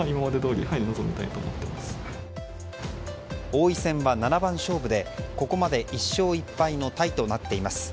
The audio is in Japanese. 王位戦は七番勝負で、ここまで１勝１敗のタイとなっています。